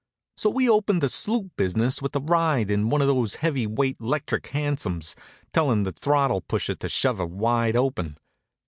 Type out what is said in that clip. So we opened the sloot business with a ride in one of those heavy weight 'lectric hansoms, telling the throttle pusher to shove her wide open.